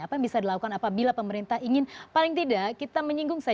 apa yang bisa dilakukan apabila pemerintah ingin paling tidak kita menyinggung